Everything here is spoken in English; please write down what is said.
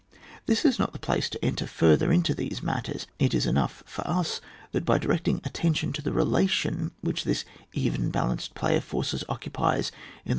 This is not the place to enter further into these matters ; it is enough for us that by directing at tention to the relation which this even balanced play of forces occupies in the